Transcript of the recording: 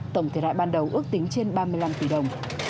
tổng thiệt hại ban đầu ước tính trên ba mươi năm tỷ đồng